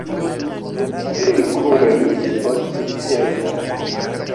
Ili kuris post cervo.